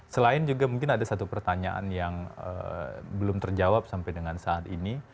selain juga mungkin ada satu pertanyaan yang belum terjawab sampai dengan saat ini